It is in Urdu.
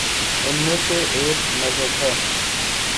ان میں سے ایک مذہب ہے۔